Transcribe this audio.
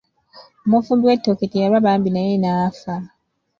Omufumbi w'ettooke teyalwa bambi naye n'afa.